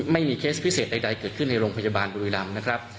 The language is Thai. เคสพิเศษใดเกิดขึ้นในโรงพยาบาลบุรีรำนะครับ